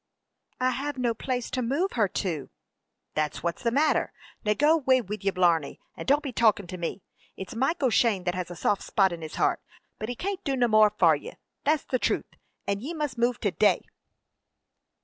"I have no place to move her to." "That's what's the matter! Now go 'way wid your blarney, and don't be talking to me. It's Mike O'Shane that has a soft spot in his heart, but he can't do no more for ye. That's the truth, and ye must move to day."